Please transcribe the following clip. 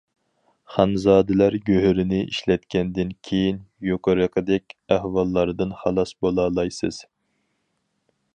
خانزادىلەر گۆھىرىنى ئىشلەتكەندىن كېيىن، يۇقىرىقىدەك ئەھۋاللاردىن خالاس بولالايسىز.